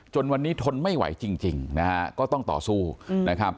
วันนี้ทนไม่ไหวจริงนะฮะก็ต้องต่อสู้นะครับ